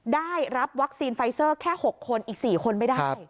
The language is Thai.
ได้รับวัคซีนไฟเซอร์แค่๖คนอีก๔คนไม่ได้